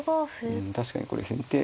うん確かにこれ先手